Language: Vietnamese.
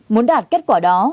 muốn đạt kết quả đó